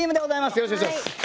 よろしくお願いします。